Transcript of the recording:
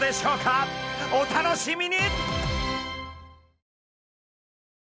お楽しみに！